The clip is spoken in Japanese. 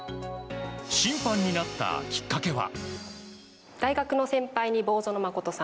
審判になったきっかけは？